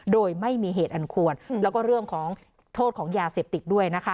โดยไม่มีเหตุอันควรแล้วก็เรื่องของโทษของยาเสพติดด้วยนะคะ